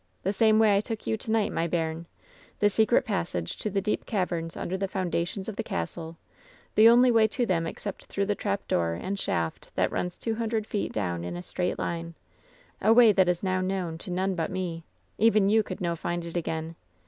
The same way I took you to night, my bairn. The secret passage to ihe deep caverns under the founda tions of the castle, the only way to them except through the trapdoor and shaft that runs two hundred feet down in a straight line — a way that is now known to none but me. Even you could no find it again.